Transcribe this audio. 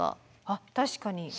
あっ確かに。